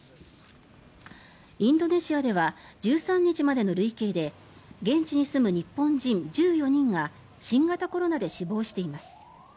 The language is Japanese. インドネシアでは１３日までの累計で現地に住む日本人１４人が新型コロナで死亡しています。